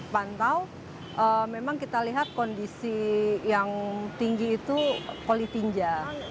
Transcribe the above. pada saat kita menemukan kondisi yang tinggi kita melihat kondisi kolitinja